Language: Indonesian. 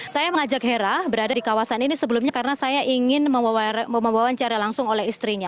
saya mengajak hera berada di kawasan ini sebelumnya karena saya ingin membawa wawancara langsung oleh istrinya